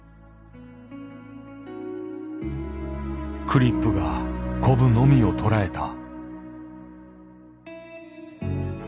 クリップがコブのみを捉えた。